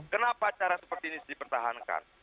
kenapa cara seperti ini dipertahankan